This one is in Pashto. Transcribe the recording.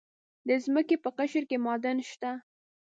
د ځمکې په قشر کې معادن شته.